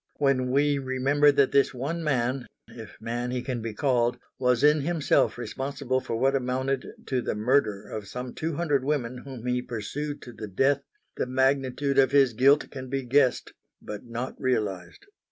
When we remember that this one man if man he can be called was in himself responsible for what amounted to the murder of some two hundred women whom he pursued to the death, the magnitude of his guilt can be guessed but not realised.